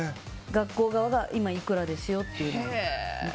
学校側が今、いくらですよっていうのを。